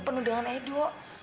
penuh dengan edo